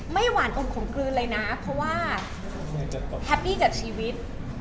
หวานอมขมกลืนเลยนะเพราะว่าแฮปปี้จากชีวิต